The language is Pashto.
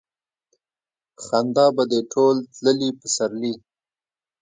خندا به دې ټول تللي پسرلي